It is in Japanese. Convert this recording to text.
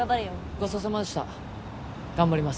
ごちそうさまでした頑張ります